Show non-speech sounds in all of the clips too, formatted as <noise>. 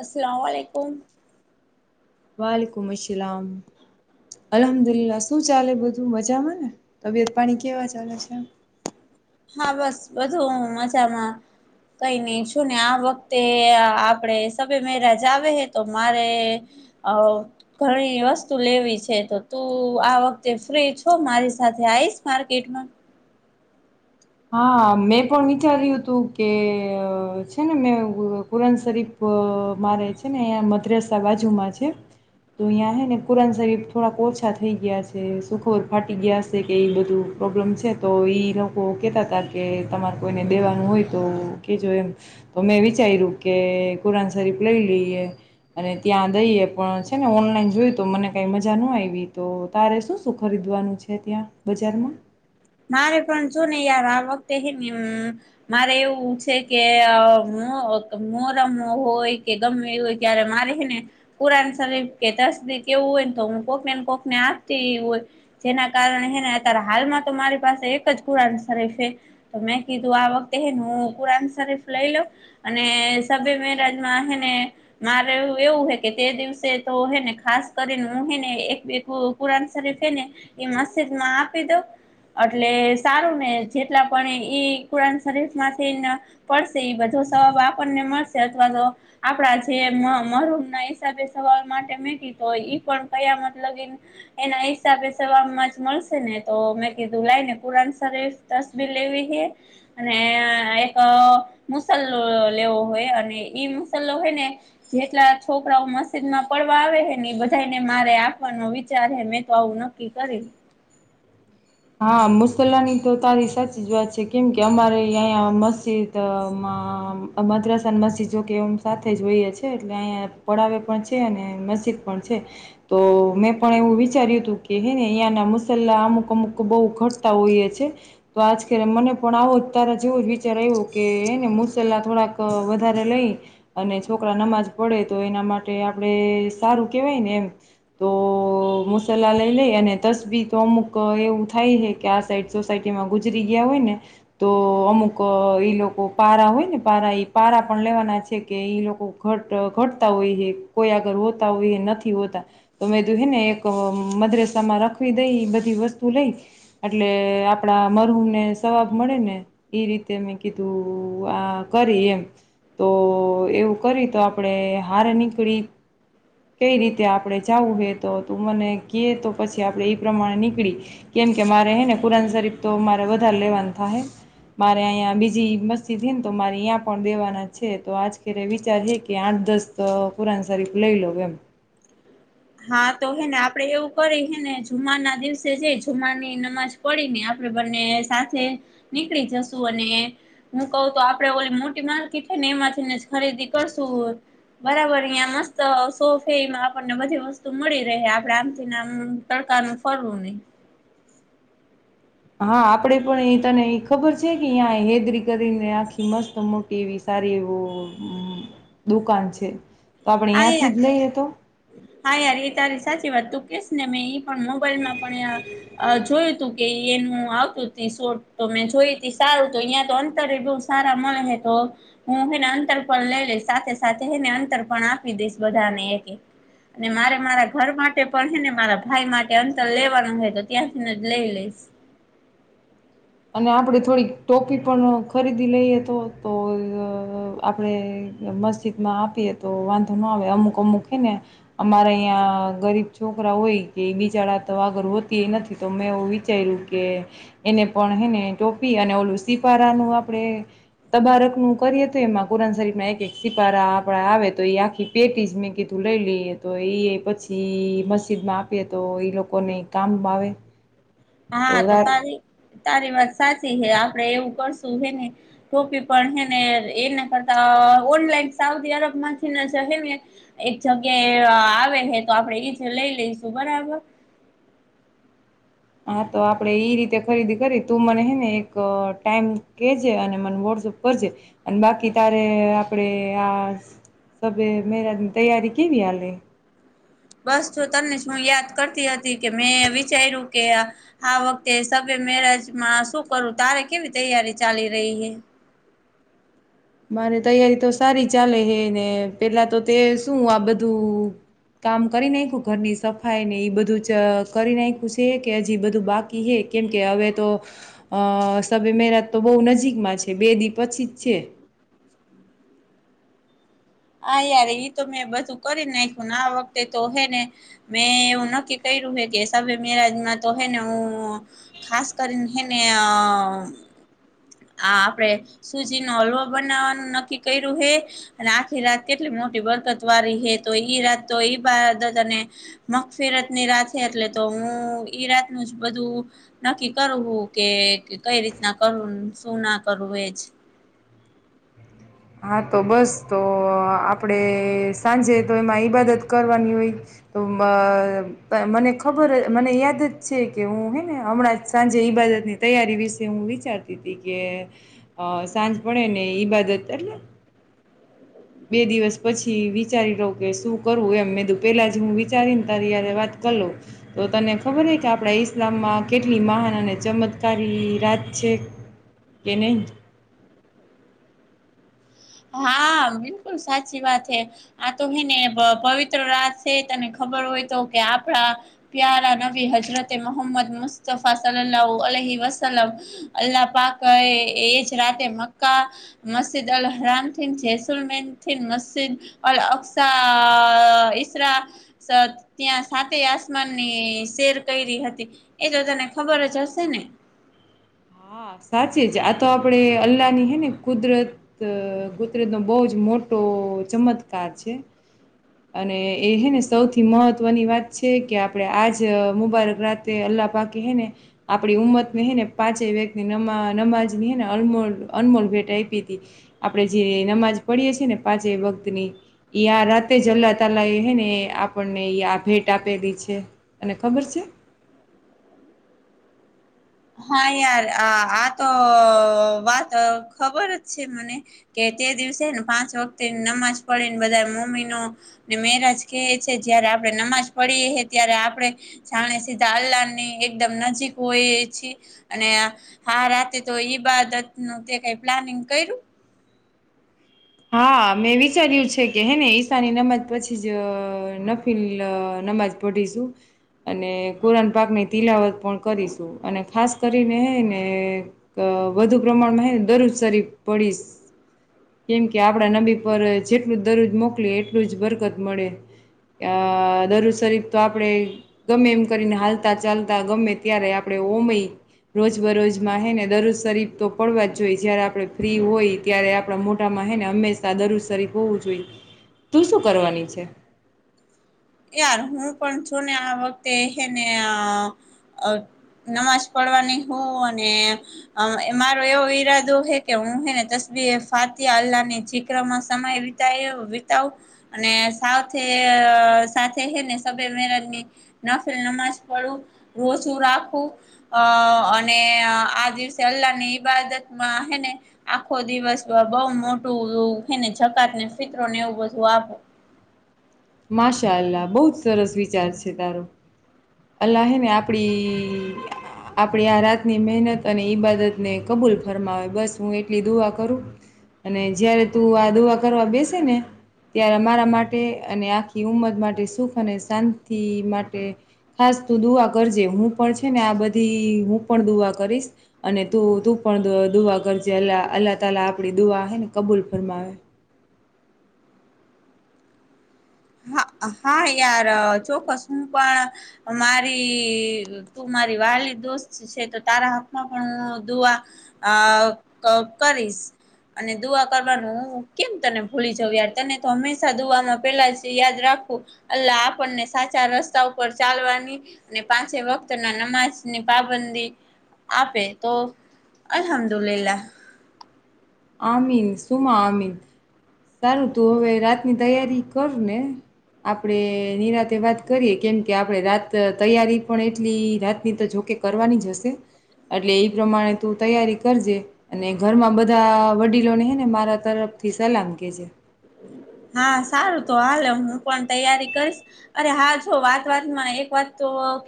અસલા માલીકુમ. વલીકુમ ઈ અસલામ. અલ્હમદુલ્લા શું ચાલે બધું મજામાંને તબિયત પાણી કેવા ચાલે છે? <unintelligible> હા બસ બધું મજામાં. કઈ નઈ શું ને આ વખતે આપડે સભે મેરાજ આવે હે તો મારે અ ઘણી વસ્તુ લેવી છે તો તું આ વખતે ફ્રી છો મારી સાથ. થે આઈસ માર્કેટમાં. હા મેં પણ વિચાર્યું હતું કે છે ને મેં કુરાન શરીફ પ મારે છે ને મદ્રાસ બાજુમાં છે. તો અહં હ ને કુરન શરીફ થોડાક ઓછા થઈ ગયા છે સુખોર ફાટી ગયા છે કે એ બધું પ્રોબ્લેમ છે તો ઈ લોકો કહેતા હતા કે તમારે કોઈને દેવાનું હોય તો કહેજો એમ તો મેં વિચાર્યું કે કુરન સરિફ લઈ લીએ અને ત્યાં દઈએ પણ છે ને ઓનલાઈન જોયું તો મને કઈ મજા ન આવી તો તારે શું શું ખરીદ વધોવાનું છે ત્યાં બજારમાં. મારે પણ જો ને યાર આ વખતે હ ને મારે એવું છે કે અ <unintelligible> મોરમો હોય કે ગમે એવું હોય ત્યારે મારે છેને કુરાણ <unintelligible> કે ન કેવું હોય ને તો હું કોકનેને કોક ને આપતી હોય જેના કારણેને અત્યારે હાલમાં તો મારી પાસે એક જ કુરાન શરીફ છે તો મેં કીધું આ વખતે એનું કુરાન શરીફ લઈ લઉ. અને સભે મેરાજમાં હેને મારે એવું હે કે તે દિવસે તો હેને ખાસ કરીને મુ હિ ને એક કુરાન શરીફ છે ને એ મસ્જિદ માં આપી દઉ. એટલે સારું ને જેટલા પણ ઈ કુરાન શરીર માંથી પડશે બધું જવાબ આપણને મળશે અથવા તો આપડા જે મ મરૂુમ ના હિસાબે સવાલ માટે મેકી તો ઈ પણ કયા મતલબ એના હિસાબે સવામ માં જ મળશે ને તો કીધું લને કુરાન શરીફ તસબર લેવી છે અને એક મુસા લે લેવો હોય અને ઈ મુસલો હોય ને જેટલા છોકરાઓ મસ્જિદમાં પડવા આવે બધાને મારે આપવાનો વિચાર હે મેં તો આવું નક્કી કરી. હ હા મુસલાની તો તારી સાચી જ વાત છે કેમ કે અમારે અહં મસ્જિદમાં મા મદ્રાસ અને મસ્જિદ જો કે એમ સાથે જોઈએ છે એટલે અહીંયા પડાવે પણ છે અને મસ્જિદ પણ છે તો મેં પણ એવું વિચાર્યું હતું કે હેને અહંના મુસલા અમુક અમુક બો ઘટતા હોઈએ છે તો આજ મને પણ આવો જ તારા જેવો જ વિચાર આવ્યો કેને મુસલા થોડાક વધારે લઈ અને છોકરા નમાજ પડે તો એના માટે આપણે સારું કેવાય ને એમ તો મુસાલા લઈ લઈ અને તસબી તો અમુક એવું થાય હ કે આ સાઈડ સોસાયટીમાં ગુજરી ગયા હોય ને તો અમુક એ લોકો પારા હોય ને પારા એ પારા પણ લેવાના છે કે લોકો ઘટતા હોય કોઈ આગળ હોતા હોય. નથી હોતા તો મેું હેને એક મદરેસા માં રખવી દઈ બધી વસ્તુ લઈ એટલે આપડા મરુ ને સવાબ મળે ને એ રીતે મેં કીધું કરી એમ તો એવું કરી તો આપણેે હાર નીકળી કઈ રીતે આપણે જવું હે તો તું મને ક તો પછી આપણે એઈ પ્રમાણે નીકળી- કેમ કે મારે હ ને કુરાન શરીફ તો મારે વધારે લેવાનું થાય હ. મારે અહીંયા બીજી મસ્તી થ ને તો મારે અં પણ દેવાના છે તો આજ ખરે વિચાર હ કે આ દસ તો ખુરાન શરીફ લઈ લોઉ એમ. હા તો હેને આપડે એવું કરી હે ને જુમા ના દિવસે જઈ જુમારની નમાજ પડીને આપણે બંને સાથે નીકળી જશું અને હું કઉ તો આપડે ઓલી મોટી માલકી થઈ ને એમાંથી ને જ ખરીદી કરશું બરાબર અં મસ્ત સોફેમાં આપણને બધીસ્ મળી રહે આપડે આમથી ના આમ તડકાનું ફરવું નહી. હા આપડે પણ એ તને ખબર છે કે અં હેદરી કરીને આખી મસ્ત મોટી એવી એવું દુકાન છે. તો આપણે હા ત્યાંથી યાર જ લઈએ તો હા યાર એ તારી સાચી વાત તું. કે ને મે એ પણ મોબાઈલમાં પણ અ જોયું તું કે એનું આવતું ત શોટ તો મેં જોઈ ત સારું તો અહિયાં તો અંતર એટલું મળે તો હું એને અંતર પણ લઈ લઈ સાથે સાથે એને અંતર પણ આપ આપી દઈશ બધાને એક એક અને મારે મારા ઘર માટે પણ છે ને મારા ભાઈ માટે અંતર લેવાનું હોય તો ત્યાંથીને જ લઈ લઈશ. અને આપણે થોડીક ટોપી પણ ખરીદી લઈએ તો તો આપણે મસ્જિદમાં આપીએ તો વાંધો ન આવે અમુક અમુક થઈ ને અમારે અહીં ગરીબ છોકરા હોય કે બિચાડા તો આગળ હોતી એ નથી તો મેં એવું વિચાર્યું કે એને પણ હને ટોપી અને ઓલું સિપારાનું આપડે તબાારક નું કરીએ તો એમાં કુરાન શરીફ ના એક એક સિપારા આપડા આવે તો એ આખી પેટી જ મેં કીધું લઈ લઈએ તો એ પછી મસ્જિદ માં આપીએ તો એ લોકોને કામમાં આવે હા તો ત તારી વાત સાચી હે આપડે એવું કરશું હેને ટોપી પણ હે ને એના કરતા ઓનલાઈન સાઉદી અરબ માંથી જ એક જગ્યાએ આવે હ તો આપડે લઈ લઈશું બરાબર. હા તો આપડે ઈ રીતે ખરીદી કરી તું મને હે ને એક ટાઈમ કેજે અને મને વ કરજે અને બાકી તારે આપડે આ સબ મેરા તૈયારી કે ભ હાલે બસ તમને શું યાદ કરતી હતી કે મેં વિચાર્યું કે આ વખતે મેરેજમાં શું કરું તારે કેવી તૈયારી ચાલી રહી હ મારે તૈયારી તો સારી ચાલે હે ને પેલા તો તે શું આ બધું કામ કરી નાખ્યું ઘરની સફાઈ ને એ બધું જ કરી નાખ્યું છે કે હજી બધું બાકી હ કેમ કે હવે તો અ સબે મેરાત તો બહુ નજીકમાં છે બેદી પછી જ છે- હા યાર ઈ તો મેં બધું કરી નાખ્યુંને આ વખતે તો હે ને મેં એવું નક્કી ક કે મેરાજમાં તો હેને હું ખાસ કરીને હેને આ આપડે સુજી નો હલવો બનાવાનું નક્કી કર્યું હે રાત કેટલી મોટી બરકત વાળી હે તો ઈ રાત તો ઈબાદત અને મગફીરત ની એટલે તો હું ઈ રાત ન જ બધું નક્કી કરું હું કે કઈ રીતના કર શું ના કરું એ જ <inaudible> હા તો બસ તો આપડે સાંજે તો એમાં ઈબાદત કરવાની હોય તો મ મને ખબર મને યાદ જ છે કે હું હે ને હમણાં સાંજે ઈબાદતની તૈયારી વિશે હું વિચારતી હતી કે સાંજ પડે ને ઈબાદત એટલે બે દિવસ પછી વિચારી લો કે શું કરવું એમ મેં દું પેલા જ હું વિચારી ને તારી્યારે વાત કલો તો તને ખબર હો કે આપણા ઈસ્લામમાં કેટલી મહાન અને ચમત્કારી રાજત છે કે કેને હા બિલકુલ સાચી વાત છે આ તો હે ને પવિત્ર રાત છે તને ખર હોય તો કે આપણા પ્યારા નબી હજરતે મોહમદ મુસ્તફા સલા અ વસલમ અલ્લાહ પાક એજ રાતે મક્કા મસ્જિદ રામ થ જૈસુલમન થ મસ્જિદ અકસ ઇસરા ત્યાં સાતે આસમાનની શેર કરી હતી એ તો તને ખબર જ હશે ને હા હા સાચી જ આ તો આપણે અલ્લાહની હૈ ને કુદરત કુદરતનો બહુ જ મોટો તો ચમત્કાર છે અને એ હેને સૌથી મહત્વની વાત છે કે આપડણે આજ મુબારક રાતે અ અલ્લાહ પાકી હ ને આપણી ઉંમત ને હે ને પાંચે વ્યક્તિ નમાં નમાજ નીને અ અનમોળ ભેટ આપી હતી આપડે જે નમાજ પડીએ છીએ ને પાંચે વખત ની આ રાતે જલ્લા તાલા એ હે ને આપણને આ ભેટ આપેલી છે અને ખબર છે હા યાર આ આ તો વાત ખબર જ છે મને કે દિવસેને પાંચ વખતે નમાજ પડેને બધા મમ્મી નું ને મેરાજ ક છે જયારે નમાજ પડીએ ત્યારે આપણે જાણે સીધા અલ્લાહ ની એકદમ નજીક હોઈએ છીએ અને હા રાતે તો ઈબાદત નું કઈ પ્લાનિંગ કર્યું હા મેં વિચાર્યું છે કે હે ને ઈશાની નમજ પછી જ નફીલ મજપટીશું અને કુરાન પાકની તિલાવત પણ કરીશું અને ખાસ કરીને ને વધુ પ્રમાણમાં હને દરરોજ સારી પડીશ કેમ કે આપડા નબી પર જેટલું દરરોજ મોકલી એટલું જ બરકત મળે અ દર શરીફ તો આપણે ગમે એમ કરીને હાલતા ચાલતા ગમે ત્યારે આપણે ભૂમિ રોજ બરોજમાં હે ને દરરોજ શરીફ તો પડવા જોઈએ જયારે આપણે ફ્રી હોય ત્યારે આપણા મોટા માં હેને હંમેશા દર સરીફ હોવું જોઈએ તું શું કરવાની છે યાર હું પણ છું ને આ વખતે હ ને નમાજ પડવાની હું અને એ મારો એવો ઈરાદો હે કે હું હે દસ ફાતે અલ્લાહની જક્રમાં સમય વિતા વિતાવ અને સાથે અ સાથે ને સ મેજની નફલ નમાજ પડું રોજું રાખવું આ અને આ દિવસે અલ્લાહ ની ઈબાદતમાં હેને આખો દિવસ બઉ મોટુંને જકાત ને ફિતરો ને એવું બધું આપું <unintelligible> માશાલાહ બહુ જ સરસ વિચાર છે તારો અલ્લાહ ને આપડી આપડી આ રાતની મહેનત અને ઈબાદતને કબૂલ ફરમાવે બસ હું એટલી દુઆ કરું અને જયારે તું આ દોવા કરવા બેસે ને ત્યારે મારા માટે અને આખી ઉમદ માટે સુખ અને શાંતિ માટે ખાસ તું દુઆ કરજે હું પણ છે ને આ બધી હું પણ દુઆ કરીશ અને તું તું પણ દુઆ કરજે અ અલ્લાહ તલા આપડી દુઆ હ ને કબૂલ ફરમાવે હા યાર ચોક્કસ હું પણ મારી તું મારી વાત ખાલી દોસ્ત છે, તો તારા હાથમાં પણ હું <unintelligible> દુઆ આ કરીશ, અને દુઆ કરવાનું હું કેમ તને ભૂલી જઉં યાર તને તો હંમેશા દુમાં પેલા જ યાદ રાખું અલ્લાહ આપણને સાચા રસ્તા ઉપર ચાલવાની ને પાંચ વખત ના નમાજ ની પાબંદી આપે તો અલ્હમદુલિલાહ. અમિન સુમા અમિન સારું તું હવે રાતની તૈયારી કર ને, આપડે નિરાતે વાત કરીએ કેમ કે આપણે રાત તૈયારી પણ એટલી રાતની તો જોખ કરવાની જ હશે એટલે એ પ્રમાણે તું તૈયારી કરજે અને ઘરમાં બધા બધા વડીલોને હે ને મારા તરફથી સલામ કે જે. હા સારું તો હાલે હું પણ તૈયારી કરીશ અરે હા જો વાત વાતમાં એક વાત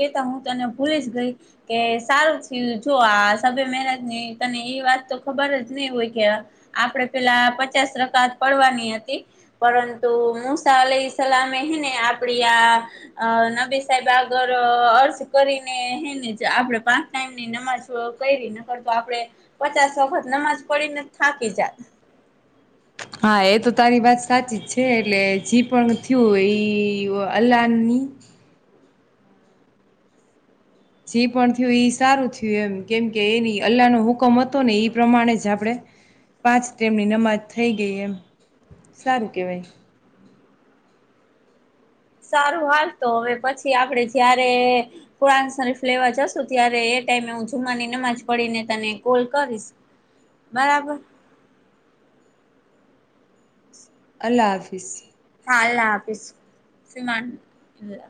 કેતા હું તને ભૂલી જ ગઈ કે સારુંથી જો આ સભે મનજ ની ત- એ વાત તો ખબર જ નહ હોય કે આપડે પેલા પચાસ રકાત પડવાની હતી. પરંતુ મુસા અલે સલામે હેને આપડી આ નબી સાહેબ આગ <unintelligible> અર્થ કરીને હેને <unintelligible> આપણે પાંચ ટાઈમની નમાજ કરીને કરર <unintelligible> તો આપડણે પચાસ વખત નમાજ પડીને થાકી જાત. <inaudible> હા એ તો તારી વાત સાચી જ છે એટલે જે પણ થયું એ અલ્લાહની હ <unintelligible> જે પણ થયું એ સારું થયું એમ કેમ કે એની અલ્લાહનો હુકમ હતો ને એ પ્રમાણે જ આપણેે પાંચ તેમની નમાજ થઈ ગઈ એમ સારું કેહેવાય. સારું હાલ તો હવે પછી આપડે જયારે ફસ <unintelligible> ફ્લેવર જશું ત્યારે ટાઈમે હું જુમમાની નમાજ પડીને તને કોલ કરીશ. બરાબર. અલ્લાહ હાફિઝ. હા અલ્હા હાફિજ મા. <unintelligible>